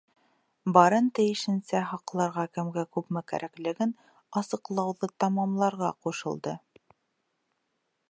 Барын тейешенсә һаҡларға кемгә күпме кәрәклеген асыҡлауҙы тамамларға ҡушылды.